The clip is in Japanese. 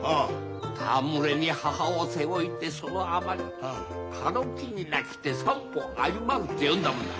「たはむれに母を背負ひてそのあまり軽きに泣きて三歩あゆまず」って詠んだもんだ。